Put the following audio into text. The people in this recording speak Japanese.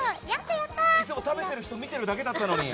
いつも食べてる人見てるだけだったのに。